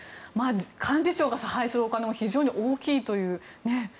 幹事長が差配するお金も非常に大きいという。